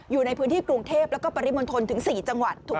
อยู่ในพื้นที่กรุงเทพแล้วก็ปริมณฑลถึง๔จังหวัด